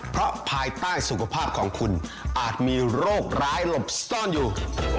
เพราะภายใต้สุขภาพของคุณอาจมีโรคร้ายหลบซ่อนอยู่